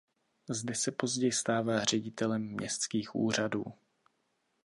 Zde se později stává ředitelem městských úřadů.